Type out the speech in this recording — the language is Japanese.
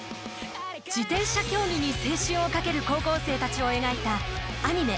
自転車競技に青春を懸ける高校生たちを描いたアニメ